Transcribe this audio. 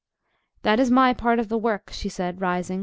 "That is my part of the work," she said, rising.